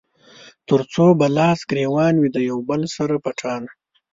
تر څو به لاس ګرېوان وي د يو بل سره پټانــه